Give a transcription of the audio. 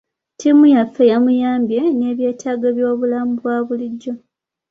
Ttiimu yaffe yamuyambye n'ebyetaago by'obulamu bwa bulijjo.